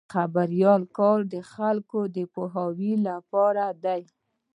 د خبریال کار د خلکو د پوهاوي لپاره دی.